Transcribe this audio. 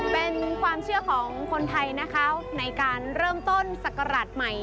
เป็นความเชื่อของคนไทยนะคะในการเริ่มต้นศักราชใหม่